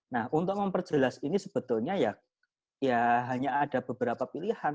nah untuk memperjelas ini sebetulnya ya hanya ada beberapa pilihan